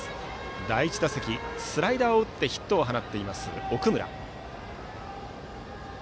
第１打席、スライダーを打ってヒットを放っている奥村。